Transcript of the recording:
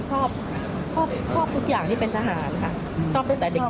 ชอบชอบทุกอย่างที่เป็นทหารค่ะชอบตั้งแต่เด็ก